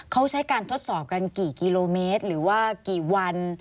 เขาใช้การทดสอบกันกี่กิโลเมตรหรือว่ากี่วัน